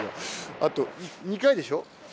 あと２回でしょ？